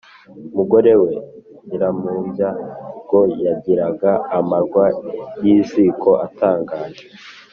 mugore we, Nyirampumbya ngo yagiraga amarwa y’iziko atangaje.